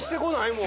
もう。